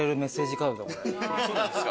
そうなんですか？